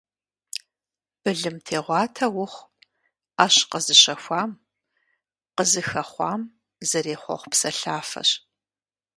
Былымтегъуатэ ухъу - Ӏэщ къэзыщэхуам, къызыхэхъуам зэрехъуэхъу псэлъафэщ.